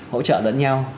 hỗ trợ lẫn nhau